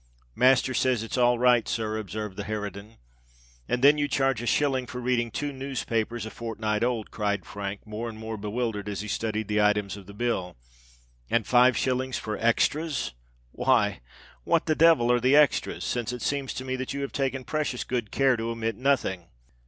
"Master says it's all right, sir," observed the harridan. "And then you charge a shilling for reading two newspapers a fortnight old," cried Frank, more and more bewildered as he studied the items of the bill: "and five shillings for extras! Why—what the devil are the extras, since it seems to me that you have taken precious good care to omit nothing?"